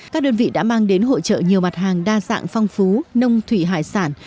các đơn vị đã mang đến hội trợ nhiều mặt hàng đa dạng phong phú nông thủy hải sản